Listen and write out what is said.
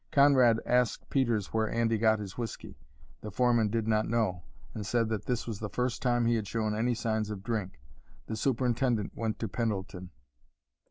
Conrad asked Peters where Andy got his whiskey. The foreman did not know, and said that this was the first time he had shown any signs of drink. The superintendent went to Pendleton.